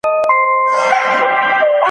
چیغي ته یې له سوات څخه تر سنده `